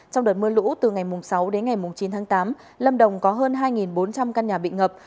trong đợt mưa lũ từ ngày sáu đến ngày chín tháng tám lâm đồng có hơn hai bốn trăm linh căn nhà bị ngập